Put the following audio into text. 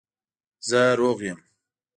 زه روغ یم